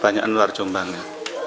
banyak luar jombang ya